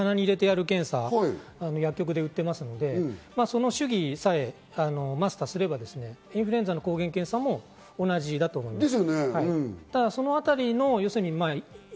コロナの抗原検査も実際、鼻に入れてやる検査、薬局で売っていますので、その手技さえマスターすればインフルエンザの抗原検査も同じだと思います。